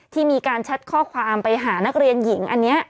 ที่มีการแชทข้อความไปหานักเรียนหญิงอันนี้